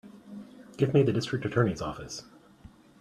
Give me the District Attorney's office.